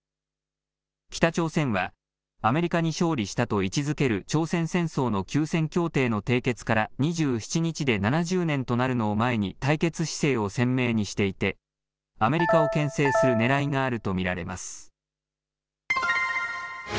北朝鮮はアメリカに勝利したと位置づける朝鮮戦争の休戦協定の締結から２７日で７０年となるのを前に対決姿勢を鮮明にしていてアメリカをけん制するねらいがあると見られます。